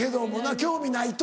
興味ないと。